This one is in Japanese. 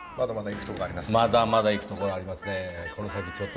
まだまだ行く所がありますね。